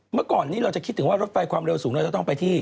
เมื่อก่อนนี้เราจะคิดถึงว่ารถไฟความเร็วสูงเราจะต้องไปที่